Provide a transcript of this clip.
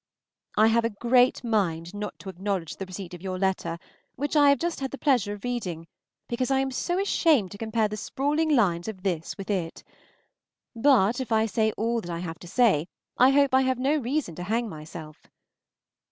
I have a great mind not to acknowledge the receipt of your letter, which I have just had the pleasure of reading, because I am so ashamed to compare the sprawling lines of this with it. But if I say all that I have to say, I hope I have no reason to hang myself.